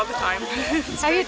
bisa mencoba di sini